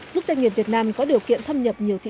giúp doanh nghiệp việt nam có điều kiện